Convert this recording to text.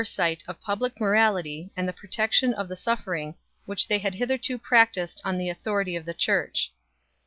sight of public morality and the protection of the suffer ing which they had hitherto practised on the authority of the Church.